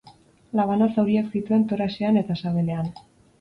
Labana zauriak zituen toraxean eta sabelean.